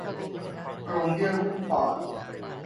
โพรงเยื่อหุ้มปอด